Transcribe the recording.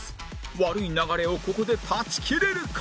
悪い流れをここで断ち切れるか？